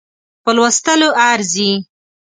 په لوستلو ارزي.